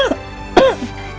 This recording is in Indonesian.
kasih entah sekarang